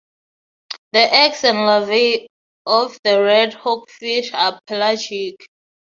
The eggs and larvae of the red hogfish are pelagic.